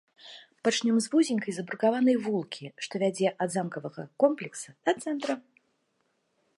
Пачнём з вузенькай забрукаванай вулкі, што вядзе ад замкавага комплекса да цэнтра.